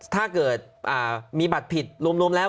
ถ้าเกิดมีบัตรผิดรวมแล้ว